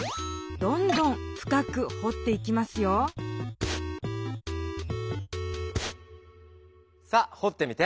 どんどん深くほっていきますよさあほってみて。